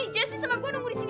jesse sama gue nunggu di sini aja